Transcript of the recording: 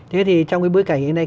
thế thì trong cái bối cảnh này